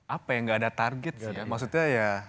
apa ya gak ada target sih ya